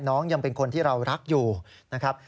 ยังเป็นคนที่เรารักอยู่นะครับ